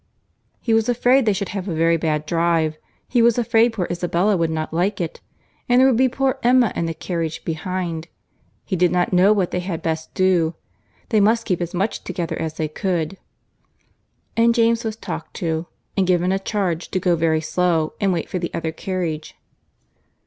"He was afraid they should have a very bad drive. He was afraid poor Isabella would not like it. And there would be poor Emma in the carriage behind. He did not know what they had best do. They must keep as much together as they could;" and James was talked to, and given a charge to go very slow and wait for the other carriage.